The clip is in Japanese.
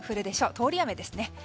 通り雨ですね。